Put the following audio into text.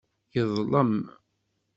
Yeḍlem.